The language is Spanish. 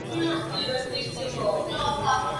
Actualmente funciona como un simple apeadero.